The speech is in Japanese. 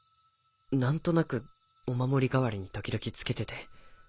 何となくお守り代わりに時々つけてて。